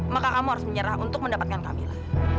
maka kamu harus menyerah untuk mendapatkan kamila